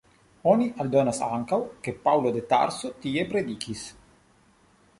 Oni aldonas ankaŭ ke Paŭlo de Tarso tie predikis.